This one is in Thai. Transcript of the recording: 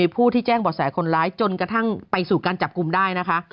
ผู้ที่แจ้งบ่อแสคนร้ายจนกระทั่งไปสู่การจับกลุ่มได้นะคะ